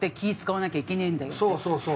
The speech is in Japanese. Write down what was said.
そうそうそう。